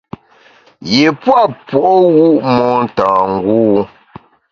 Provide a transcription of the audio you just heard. Yi pua’ puo’wu’ motângû.